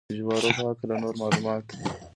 د جوارو په هکله نور معلومات.